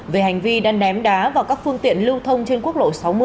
về hành vi đã ném đá vào các phương tiện lưu thông trên quốc lộ sáu mươi